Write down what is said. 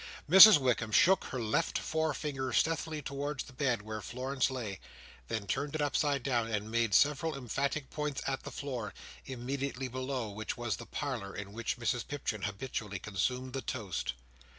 Mrs Wickam shook her left fore finger stealthily towards the bed where Florence lay; then turned it upside down, and made several emphatic points at the floor; immediately below which was the parlour in which Mrs Pipchin habitually consumed the toast.